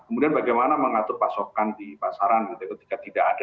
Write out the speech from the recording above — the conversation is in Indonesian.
kemudian bagaimana mengatur pasokan di pasaran ketika tidak ada